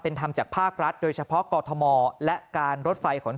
เป็นธรรมจากภาครัฐโดยเฉพาะกอทมและการรถไฟของ